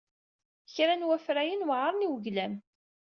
Kra n wafrayen weɛṛen i weglam.